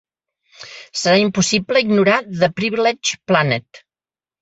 Serà impossible ignorar "The Privileged Planet".